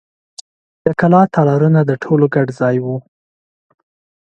د کلا تالارونه د ټولو ګډ ځای و.